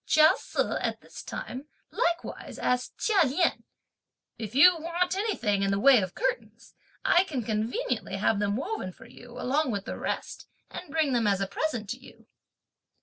Chia Se, at this time, likewise, asked Chia Lien: "If you want anything (in the way of curtains), I can conveniently have them woven for you, along with the rest, and bring them as a present to you."